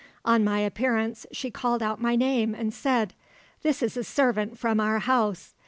On my appearance she called out my name and said, 'This is a servant from our house.'